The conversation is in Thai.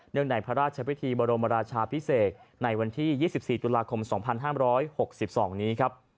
ในพระราชพิธีบรมราชาพิเศษในวันที่๒๔ตุลาคม๒๕๖๒นี้ครับ